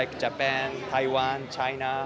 seperti jepang taiwan china